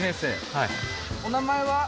はいお名前は？